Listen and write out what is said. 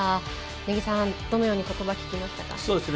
根木さん、どのようにことば、聞きましたか？